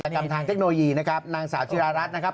อาทิสักนทางเทคโนโลยีนางสาวชิยรราชนะครับ